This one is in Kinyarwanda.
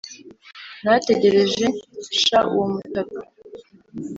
narategereje nsha uwo mutaga,